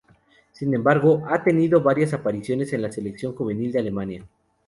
Sin embargo, ha tenido varias apariciones en la selección juvenil de Alemania.